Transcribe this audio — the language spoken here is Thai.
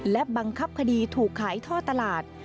และบังคับคดีถูกขายท่อตลาด